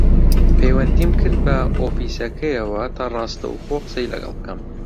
پەیوەندیم کرد بە ئۆفیسەکەیەوە تا ڕاستەوخۆ قسەی لەگەڵ بکەم